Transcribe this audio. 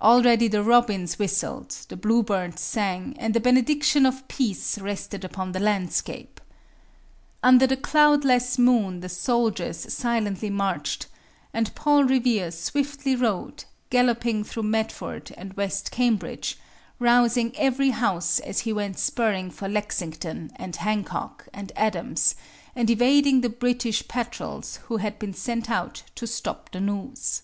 Already the robins whistled, the bluebirds sang, and the benediction of peace rested upon the landscape. Under the cloudless moon the soldiers silently marched, and Paul Revere swiftly rode, galloping through Medford and West Cambridge, rousing every house as he went spurring for Lexington and Hancock and Adams, and evading the British patrols who had been sent out to stop the news.